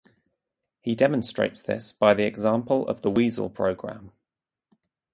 He demonstrates this by the example of the weasel program.